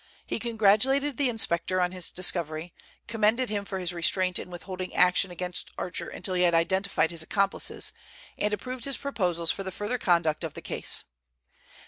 He congratulated the inspector on his discovery, commended him for his restraint in withholding action against Archer until he had identified his accomplices, and approved his proposals for the further conduct of the case.